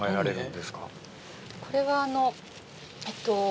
これはあのえっと。